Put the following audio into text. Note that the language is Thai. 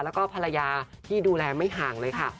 แล้วก็ภรรยาที่ดูแลไม่ห่างเลยค่ะ